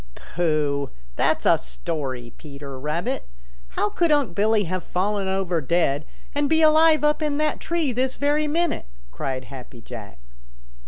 "Pooh! That's a story, Peter Rabbit. How could Unc' Billy have fallen over dead and be alive up in that tree this very minute?" cried Happy Jack.